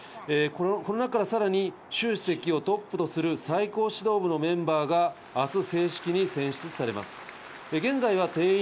この中からさらにシュウ主席をトップとする最高指導部のメンバーが、明日、正式に選出されます。